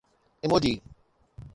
emoji